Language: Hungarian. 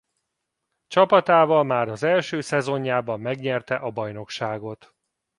Csapatával már az első szezonjában megnyerte a bajnokságot.